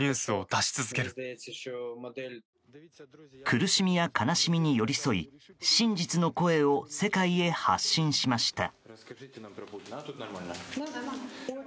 苦しみや悲しみに寄り添い真実の声を世界へ発信しました。